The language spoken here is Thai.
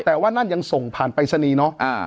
แต่ว่านั่นยังส่งผ่านไปซะนีเนาะอ่า